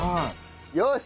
よし！